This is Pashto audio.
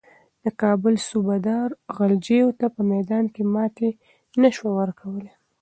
د کابل صوبه دار غلجیو ته په میدان کې ماتې نه شوه ورکولای.